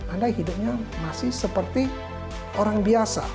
anda hidupnya masih seperti orang biasa